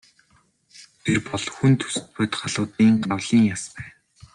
Тэр бол хүн төст бодгалиудын гавлын яс байв.